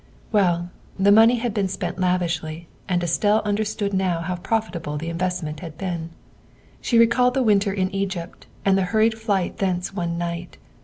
'' Well, the money had been spent lavishly, and Estelle understood now how profitable the investment had been. She recalled the winter in Egypt and the hurried flight thence one night.